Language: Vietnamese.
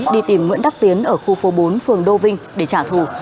đi tìm nguyễn đắc tiến ở khu phố bốn phường đô vinh để trả thù